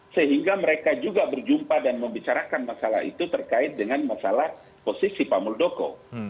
sehingga mereka juga berjumpa dan membicarakan masalah itu terkait dengan masalah posisi pak muldoko